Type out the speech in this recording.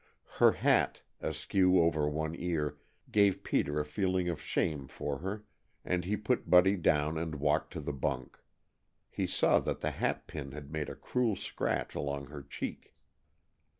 Her hat, askew over one ear, gave Peter a feeling of shame for her, and he put Buddy down and walked to the bunk. He saw that the hat pin had made a cruel scratch along her cheek.